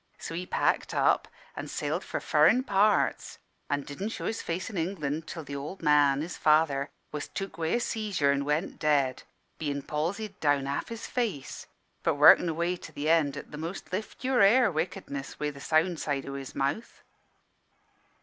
So he packed up and sailed for furrin' parts, an' didn' show his face in England till th' ould man, his father, was took wi' a seizure an' went dead, bein' palsied down half his face, but workin' away to the end at the most lift your hair wickedness wi' the sound side of his mouth.